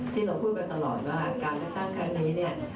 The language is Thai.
ที่เราพูดกันตลอดว่าการเรียกตั้งครั้งนี้เนี่ย